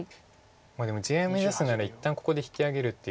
でも地合い目指すなら一旦ここで引き揚げるっていうことも。